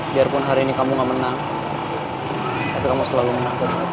biarpun hari ini kamu gak menang tapi kamu selalu menang